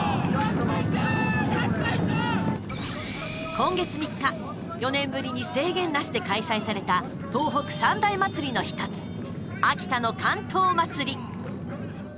今月３日、４年ぶりに制限なしで開催された東北三大祭りの１つ秋田の竿燈まつり。